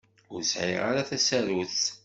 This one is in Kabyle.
Ur sɛiɣ ara tasarut.